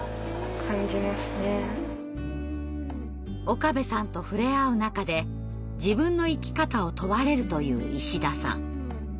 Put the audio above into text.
岡部さんと触れ合う中で自分の生き方を問われるという石田さん。